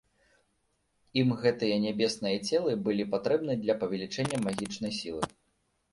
Ім гэтыя нябесныя целы былі патрэбны для павялічэння магічнай сілы.